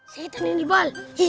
setan ini bal